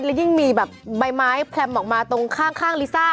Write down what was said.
แล้วยิ่งมีแบบใบไม้แพลมออกมาตรงข้างลิซ่า